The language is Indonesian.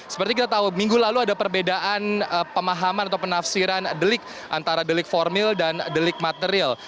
seperti kita tahu minggu lalu ada perbedaan pemahaman atau penafsiran delik antara delik formil dan delik material